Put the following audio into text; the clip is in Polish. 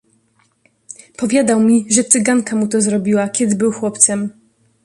"Powiadał mi, że cyganka mu to zrobiła, kiedy był chłopcem."